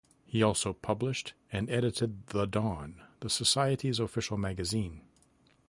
He also published and edited "The Dawn", the society's official magazine.